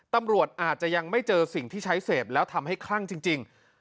ตำรวจอาจจะยังไม่เจอสิ่งที่ใช้เสพแล้วทำให้คลั่งจริง